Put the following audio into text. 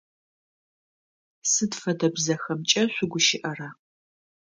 Сыд фэдэ бзэхэмкӏэ шъугущыӏэра?